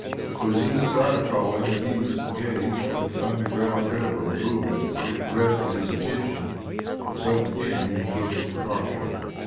It was in this latter calling that he was engaged when the Underground Rail Road movement first arrested his attention, and so continued until his departure.